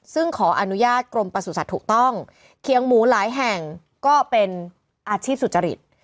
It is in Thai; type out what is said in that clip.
ซึ่งขออนุญาตกรมประสุทธิ์ถูกต้องเคียงหมูหลายแห่งก็เป็นอาชีพสุจริต